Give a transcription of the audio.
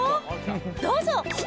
どうぞ。